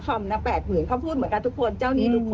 พ่อบ้านเข้าไปตกใจ